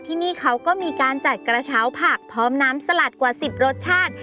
ที่นี่เขาก็มีการจัดกระเช้าผักพร้อมน้ำสลัดกว่า๑๐รสชาติ